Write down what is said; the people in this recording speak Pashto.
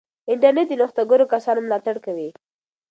انټرنیټ د نوښتګرو کسانو ملاتړ کوي.